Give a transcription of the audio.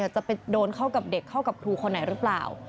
จะไปโดนเข้ากับเด็กเข้ากับครูคนไหนหรือเปล่า